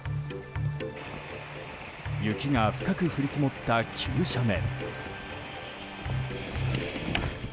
雪が深く降り積もった急斜面。